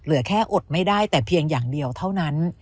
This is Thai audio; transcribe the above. เหลือแค่อดไม่ได้แต่เพียงอย่างเดียวเท่านั้น